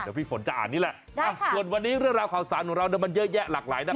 เดี๋ยวพี่ฝนจะอ่านนี่แหละส่วนวันนี้เรื่องราวข่าวสารของเรามันเยอะแยะหลากหลายนะ